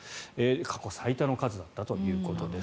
過去最多の数だったということです。